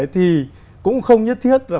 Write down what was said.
thì cũng không nhất thiết